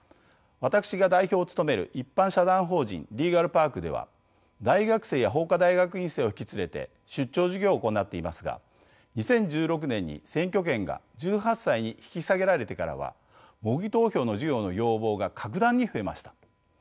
私が代表を務める一般社団法人リーガルパークでは大学生や法科大学院生を引き連れて出張授業を行っていますが２０１６年に選挙権が１８歳に引き下げられてからは模擬投票の授業の要望が格段に増えました。